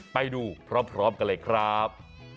ไปดูพร้อมกันเลยครับ